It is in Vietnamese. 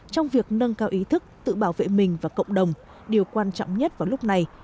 trong việc nâng cao ý thức tự bảo vệ mình và cộng đồng điều quan trọng nhất vào lúc này